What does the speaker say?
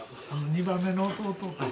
２番目の弟。